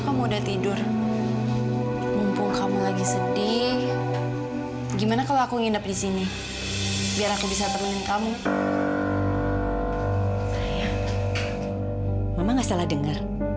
sampai jumpa di video selanjutnya